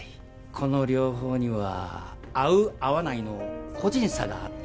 この療法には合う合わないの個人差があって